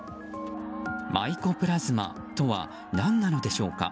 マイコプラズマとは何なのでしょうか。